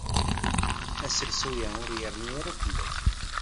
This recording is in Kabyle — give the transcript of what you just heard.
Aselsu-a ur yerni ara fell-ak.